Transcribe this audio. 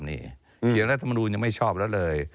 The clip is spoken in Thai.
เเกียนโรงเรียนสมบูรณ์ยังไม่ชอบละเลย